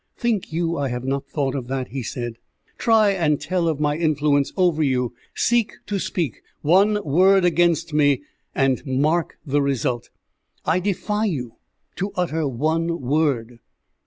"Think you I have not thought of that?" he said. "Try and tell of my influence over you, seek to speak one word against me, and mark the result. I defy you to utter one word."